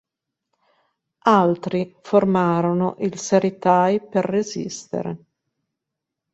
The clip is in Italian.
Altri formarono il Seri Thai per resistere.